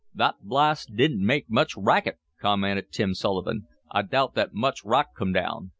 "Thot blast didn't make much racket," commented Tim Sullivan. "I doubt thot much rock come down.